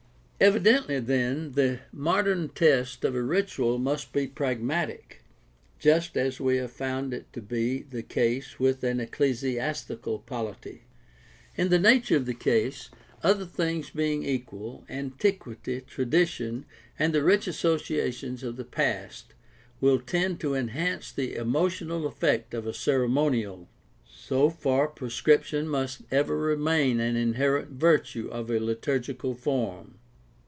Evidently, then, the modern test of a ritual must be prag matic, just as we have found it to be the case with an ecclesi astical polity. In the nature of the case, other things being equal, antiquity, tradition, and the rich associations of the past will tend to enhance the emotional effect of a ceremonial. So far prescription must ever remain an inherent virtue of a liturgical form.